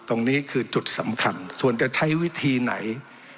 ตรงนี้คือจุดสำคัญส่วนจะใช้วิธีไหน